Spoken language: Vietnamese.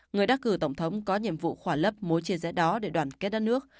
người đắc cử tổng thống có nhiệm vụ khỏa lấp mối chia rẽ đó để đoàn kết đất nước